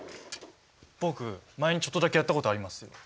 僕前にちょっとだけやったことあります。